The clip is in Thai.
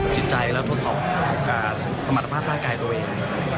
จิตใจแล้วทดสอบสมรรถภาพร่างกายตัวเอง